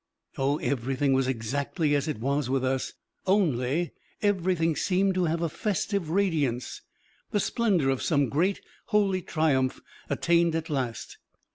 Oh, everything was exactly as it is with us, only everything seemed to have a festive radiance, the splendour of some great, holy triumph attained at last.